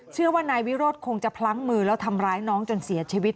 เชื่อว่านายวิโรธคงจะพลั้งมือแล้วทำร้ายน้องจนเสียชีวิต